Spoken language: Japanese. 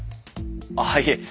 あっいえ。